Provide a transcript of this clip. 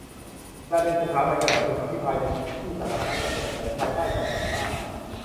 ประเด็นสถาบันกษัตริย์ถูกอภิปรายในที่สาธารณะอย่างเปิดเผย ภายใต้การจับตา